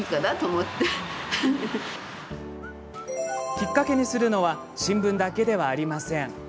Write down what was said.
きっかけにするのは新聞だけではありません。